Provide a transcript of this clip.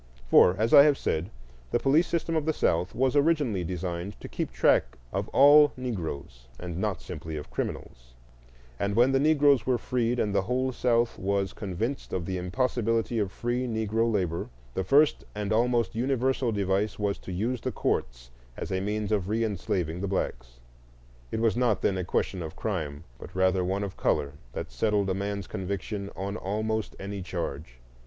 For, as I have said, the police system of the South was originally designed to keep track of all Negroes, not simply of criminals; and when the Negroes were freed and the whole South was convinced of the impossibility of free Negro labor, the first and almost universal device was to use the courts as a means of reenslaving the blacks. It was not then a question of crime, but rather one of color, that settled a man's conviction on almost any charge.